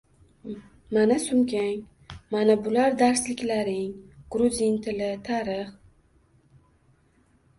Mana sumkang, mana bular darsliklaring – guruzin tili, tarix…